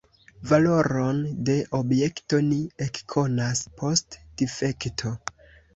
Valoron de objekto ni ekkonas post difekto.